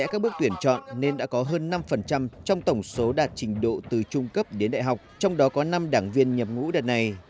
các bước tuyển chọn nên đã có hơn năm trong tổng số đạt trình độ từ trung cấp đến đại học trong đó có năm đảng viên nhập ngũ đợt này